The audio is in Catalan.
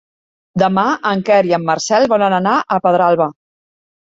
Demà en Quer i en Marcel volen anar a Pedralba.